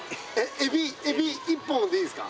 エビ１本でいいですか？